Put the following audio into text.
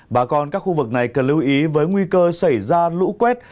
bà con các khu vực này cần lưu ý với nguy cơ xảy ra lũ quét